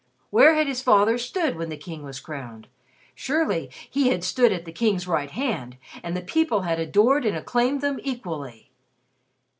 Where had his father stood when the King was crowned? Surely, he had stood at the King's right hand, and the people had adored and acclaimed them equally!